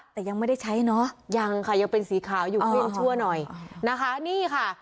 แต่ยังไม่ได้ใช้เนอะยังค่ะยังเป็นสีขาวอยู่ก็ยังชั่วหน่อยนะคะนี่ค่ะ